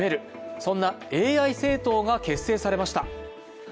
そんなＡＩ政党が結成されました。